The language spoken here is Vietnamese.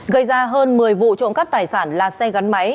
gây ra hơn một mươi vụ trộm cắp tài sản là xe gắn máy